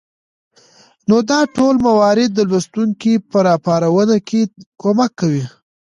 نو دا ټول موارد د لوستونکى په راپارونه کې کمک کوي